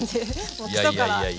もう基礎から。